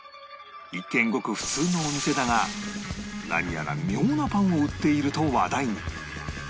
一見ごく普通のお店だが何やら妙なパンを売っていると話題に